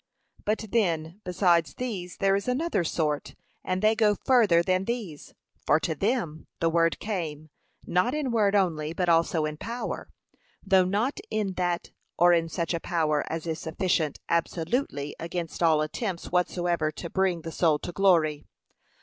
But then, besides these, there is another sort, and they go further than these. For to them the word came, not in word only, but also in POWER: though not in that or in such a power as is sufficient absolutely against all attempts whatsoever to bring the soul to glory.